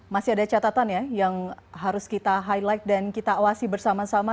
masih ada catatan ya yang harus kita highlight dan kita awasi bersama sama